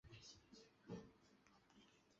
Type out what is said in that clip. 她的美丽和外表是话题。